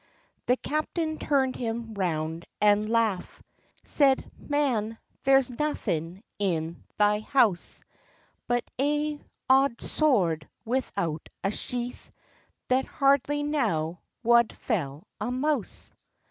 The captain turned him round and leugh; Said—"Man, there's naething in thy house, But ae auld sword without a sheath, That hardly now wad fell a mouse!"